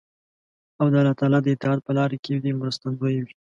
او د الله تعالی د اطاعت په لار کې دې مرستندوی وي.